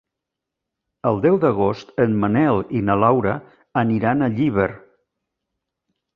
El deu d'agost en Manel i na Laura aniran a Llíber.